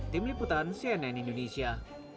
tim liputan cnn indonesia